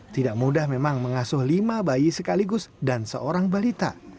tidak mudah memang mengasuh lima bayi sekaligus dan seorang balita